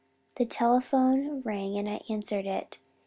The telephone rang and I answered it.